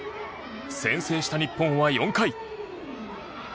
先制した日本は４回。